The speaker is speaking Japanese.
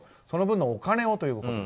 その分のお金をと。